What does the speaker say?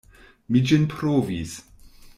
Mi ĝin provis.